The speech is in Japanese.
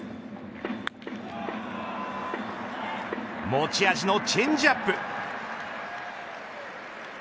持ち味のチェンジアップ。